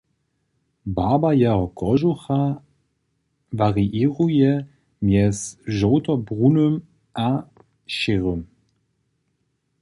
Barba jeho kožucha wariěruje mjez žołtobrunym a šěrym.